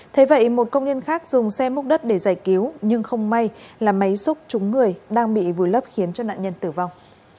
thế vậy một công nhân khác dùng xe múc đất để giải cứu nhưng không may là máy xúc trúng người đang bị vùi lấp khiến nạn nhân tử vong